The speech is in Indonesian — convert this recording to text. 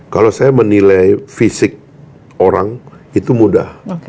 kalau saya menilai fisik orang itu mudah